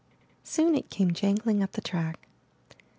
Soon it came jangling up the track.